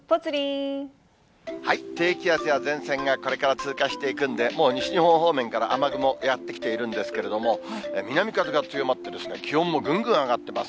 低気圧や前線がこれから通過していくんで、もう西日本方面から雨雲やって来ているんですけれども、南風が強まって、気温もぐんぐん上がっています。